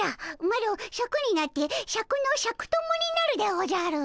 マロシャクになってシャクのシャク友になるでおじゃる。